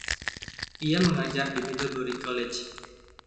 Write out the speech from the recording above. Ia mengajar di Middlebury College.